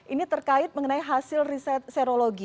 ini terkait mengenai hasil riset serologi